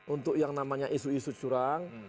untuk yang namanya isu isu curang